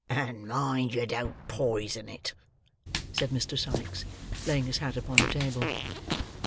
"And mind you don't poison it," said Mr. Sikes, laying his hat upon the table.